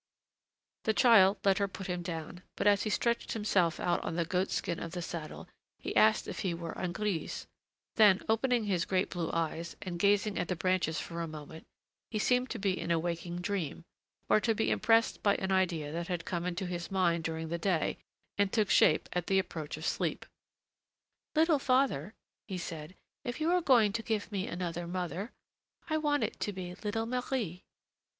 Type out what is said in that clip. The child let her put him down, but as he stretched himself out on the goat skin of the saddle, he asked if he were on Grise. Then, opening his great blue eyes, and gazing at the branches for a moment, he seemed to be in a waking dream, or to be impressed by an idea that had come into his mind during the day and took shape at the approach of sleep. "Little father," he said, "if you're going to give me another mother, I want it to be little Marie."